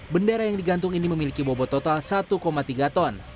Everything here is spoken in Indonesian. bendera yang digantung ini memiliki bobot total satu tiga ton